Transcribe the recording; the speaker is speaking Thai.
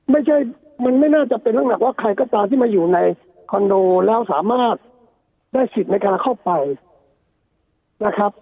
ไม่ใช่มันไม่น่าจะเป็นเรื่องหนักว่าใครก็ตามที่มาอยู่ในคอนโดแล้วสามารถได้สิทธิ์ในการเข้าไปนะครับ